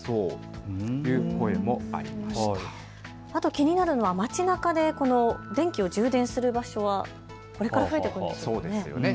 気になるのは街なかで電気を充電する場所はいくらぐらい増えてくるんですかね。